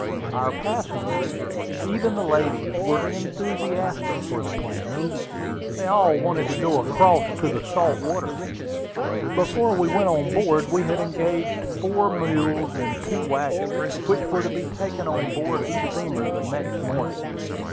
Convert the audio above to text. Our passengers, even the ladies, were enthusiastic for the plan. They all wanted to go across to the salt water. Before we went on board we had engaged four mules and two wagons, which were to be taken on board of the steamer the next morning.